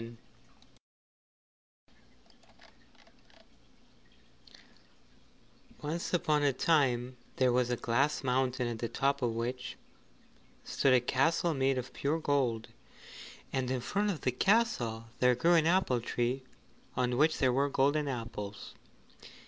Once upon a time there was a Glass Mountain at the top of which stood a castle made of pure gold, and in front of the castle there grew an apple tree on which there were golden apples.